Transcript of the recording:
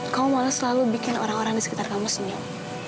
kamu malah selalu bikin orang orang di sekitar kamu senior